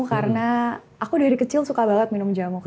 karena aku dari kecil suka banget minum jamu